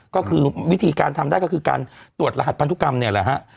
ก็คือวิธีการทำได้ก็คือการตรวจรหัสพันธุกรรมเนี่ยแหละฮะ